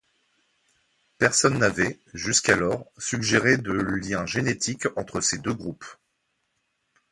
Personne n’avait jusqu’alors suggéré de lien génétique entre ces deux groupes.